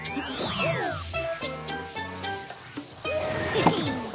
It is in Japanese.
ヘヘッ。